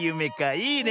いいね。